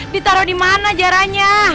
ditaro dimana jaranya